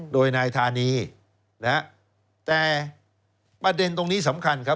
โดยนายธานีนะฮะแต่ประเด็นตรงนี้สำคัญครับ